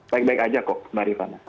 baik baik aja kok barifan